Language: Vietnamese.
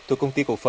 thuộc công ty cổ phần